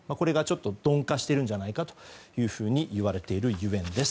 鈍化しているんじゃないかというふうにいわれているゆえんです。